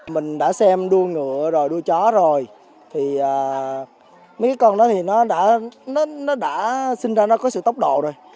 mình đã xem đuông ngựa rồi đuôi chó rồi thì mấy con đó thì nó đã sinh ra nó có sự tốc độ rồi